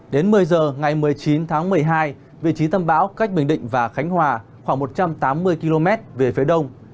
đến một mươi giờ ngày một mươi chín tháng một mươi hai vị trí tâm bão cách bình định và khánh hòa khoảng một trăm tám mươi km về phía đông